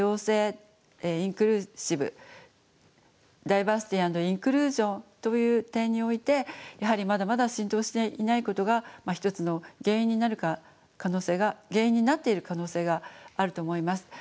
インクルーシブダイバーシティー＆インクルージョンという点においてやはりまだまだ浸透していないことが一つの原因になる可能性が原因になっている可能性があると思います。